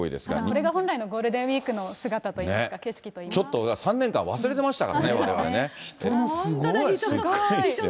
これが本来のゴールデンウィークの姿といいますか、景色といちょっと３年間、忘れてましすごい！